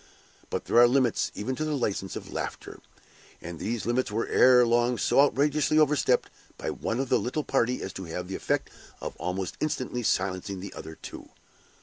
But there are limits even to the license of laughter; and these limits were ere long so outrageously overstepped by one of the little party as to have the effect of almost instantly silencing the other two.